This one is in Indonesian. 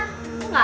pak bu sebentar ya